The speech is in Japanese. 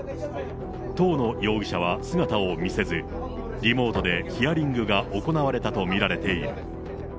当の容疑者は姿を見せず、リモートでヒアリングが行われたと見られている。